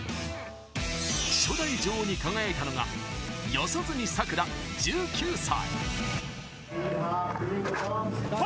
初代女王に輝いたのが、四十住さくら、１９歳。